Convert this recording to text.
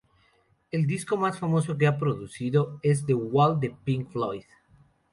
El disco más famoso que ha producido es "The Wall" de Pink Floyd.